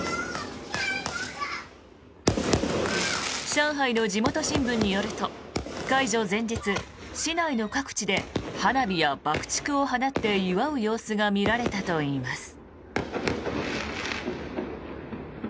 上海の地元新聞によると解除前日市内の各地で花火や爆竹を放って祝う様子が見られたといいます。